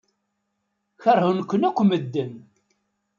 Keṛhen-ken akk medden.